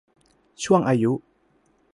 ช่วงอายุ